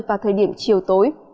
vào thời điểm chiều tối